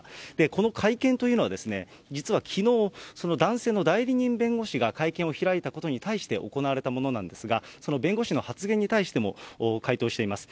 この会見というのは、実はきのう、その男性の代理人弁護士が会見を開いたことに対して行われたものなんですが、その弁護士の発言に対しても、回答しています。